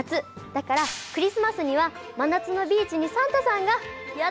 だからクリスマスには真夏のビーチにサンタさんがやって来るんです。